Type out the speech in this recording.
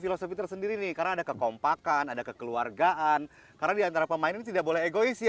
filosofi tersendiri nih karena ada kekompakan ada kekeluargaan karena diantara pemain tidak boleh